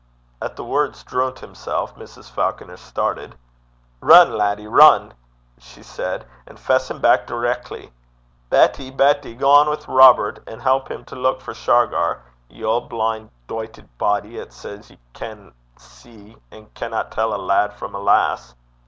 At the words 'droont himsel',' Mrs. Falconer started. 'Rin, laddie, rin,' she said, 'an' fess him back direckly! Betty! Betty! gang wi' Robert and help him to luik for Shargar. Ye auld, blin', doited body, 'at says ye can see, and canna tell a lad frae a lass!'